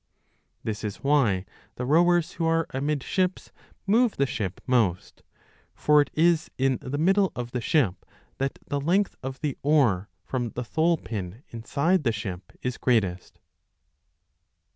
This is why the rowers who are amidships move the ship most ; for it is in the middle of the ship that the length of the oar from the thole pin inside the ship is greatest.